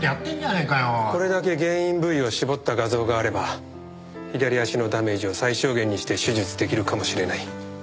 これだけ原因部位を絞った画像があれば左足のダメージを最小限にして手術できるかもしれない